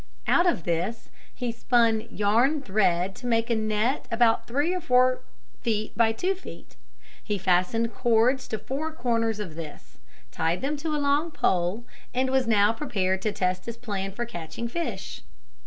Out of this he spun yarn thread to make a net about three or four feet by two feet. He fastened cords to four corners of this, tied them to a long pole, and was now prepared to test his plan for catching fish.